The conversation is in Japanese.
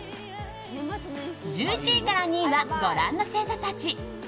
１１位から２位はご覧の星座たち。